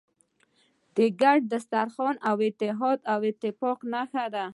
ګډ سترخوان د اتحاد او اتفاق نښه ده.